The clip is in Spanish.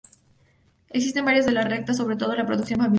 Existen variantes de la receta, sobre todo en la producción familiar.